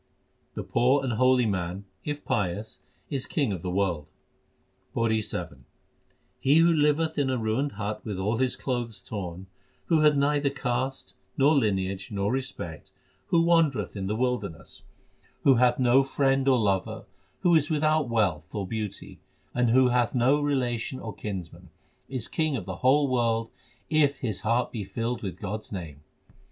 The poor and holy man, if pious, is king of the world : PAURI VII He who liveth in a ruined hut with all his clothes torn, Who hath neither caste, nor lineage, nor respect, who wandereth in the wilderness, HYMNS OF GURU ARJAN 375 Who hath no friend or lover, who is without wealth or beauty, and who hath no relation or kinsman, Is king of the whole world if his heart be filled with God s name.